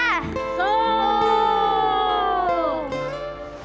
สู้